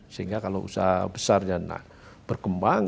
sehingga kalau usaha besarnya berkembang